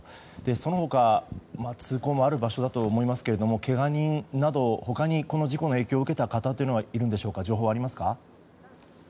その他、通行もある場所だと思いますけれどもけが人など、他にこの事故の影響を受けた方がいるという情報はありますか？